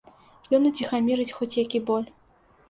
Ён уціхамірыць хоць які боль.